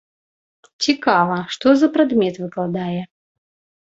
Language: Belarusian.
Цікава, што за прадмет выкладае?